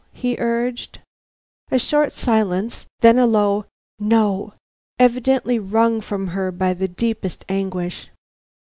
he urged. A short silence, then a low "No," evidently wrung from her by the deepest anguish.